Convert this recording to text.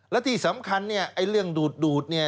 และที่สำคัญเนี่ยไอ้เรื่องดูดเนี่ย